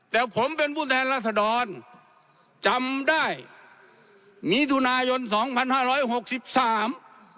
แต่ผมเป็นผู้แทนรัศดรจำได้มิถุนายนสองพันห้าร้อยหกสิบสาม